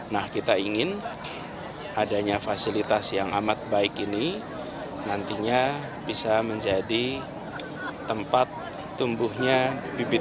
nah kita ingin adanya fasilitas yang amat baik ini nantinya bisa menjadi tempat tumbuhnya bibit